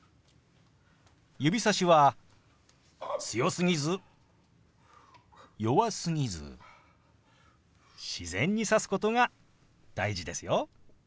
指さしは強すぎず弱すぎず自然に指すことが大事ですよ。